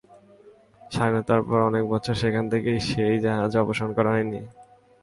স্বাধীনতার পর অনেক বছর সেখান থেকে সেই জাহাজ অপসারণ করা হয়নি।